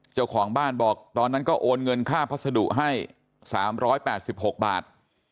เจ้าของบ้านบอกตอนนั้นก็โอนเงินค่าพัสดุให้๓๘๖บาท